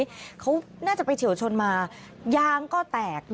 รถคันนี้เขาน่าจะไปเฉียวชนมายางก็แตก